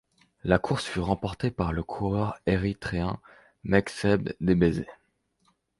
La course fut remportée par le coureur érythréen Mekseb Debesay.